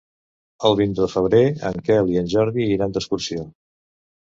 El vint-i-nou de febrer en Quel i en Jordi iran d'excursió.